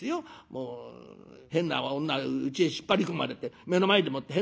もう変な女うちへ引っ張り込まれて目の前でもって変なまねされりゃ